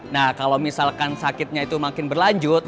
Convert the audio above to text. nah kalau misalkan sakitnya itu makin berlanjut